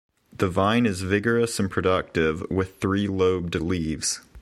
The vine is vigorous and productive, with three-lobed leaves.